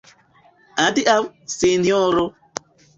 Adiaŭ, Sinjoro!